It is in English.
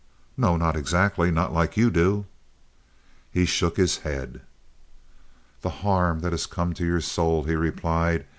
"No, not exactly—not like you do." He shook his head. "The harm that has come to yer soul!" he replied.